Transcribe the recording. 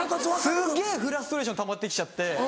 すげぇフラストレーションたまって来ちゃって。